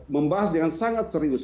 membahas dengan sangat serius